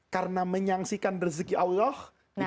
karena menyangsikan rezeki allah